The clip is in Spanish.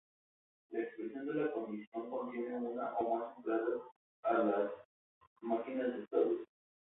La expresión de condición contiene una o más entradas a las Máquinas de Estados.